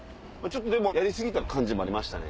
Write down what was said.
でもやり過ぎた感じもありました